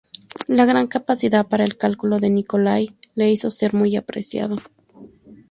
La gran capacidad para el cálculo de Nicolai le hizo ser muy apreciado.